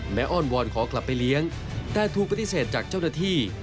อ้อนวอนขอกลับไปเลี้ยงแต่ถูกปฏิเสธจากเจ้าหน้าที่